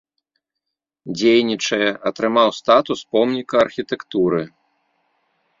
Дзейнічае, атрымаў статус помніка архітэктуры.